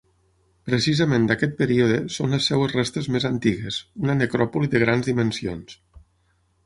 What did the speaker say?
Precisament d'aquest període són les seves restes més antigues, una necròpoli de grans dimensions.